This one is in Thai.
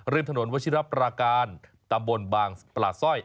ถนนวชิรปราการตำบลบางปลาสร้อย